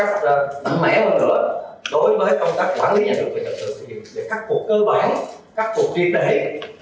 mẹo hơn nữa đối với công tác quản lý nhà nước thì thực hiện để khắc phục cơ bản khắc phục triệt đề những hạn chế